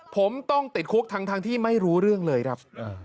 ผมต้องติดคุกทั้งที่ไม่รู้เรื่องเลยครับ